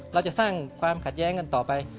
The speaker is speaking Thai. เราจะสร้างความขัดแย้งกันต่อไป